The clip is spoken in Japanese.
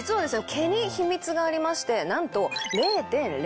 毛に秘密がありましてなんと。